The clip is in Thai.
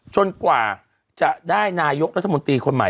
กว่าจะได้นายกรัฐมนตรีคนใหม่